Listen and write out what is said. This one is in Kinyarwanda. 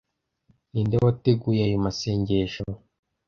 Ninde wateguye ayo masengesho